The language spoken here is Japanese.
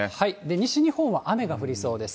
西日本は雨が降りそうです。